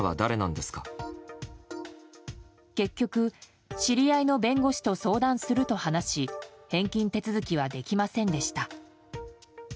結局、知り合いの弁護士と相談すると話し返金手続きはできませんでした。